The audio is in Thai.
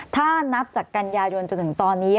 ถ้านับจากกันยายนจนถึงตอนนี้